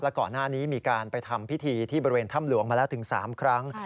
ก่อนหน้านี้มีการไปทำพิธีที่บริเวณถ้ำหลวงมาแล้วถึง๓ครั้ง